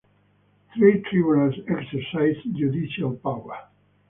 Three tribunals exercise judicial power.